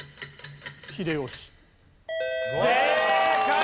正解！